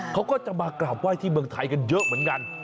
เขาก็จะมากราบไหว้ที่เมืองไทยกันเยอะเหมือนกัน